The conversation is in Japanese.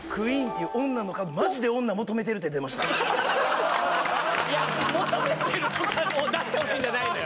いや求めてるとかを出してほしいんじゃないのよ